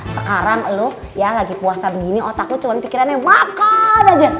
sekarang lu ya lagi puasa begini otak lu cuman pikirannya makan aja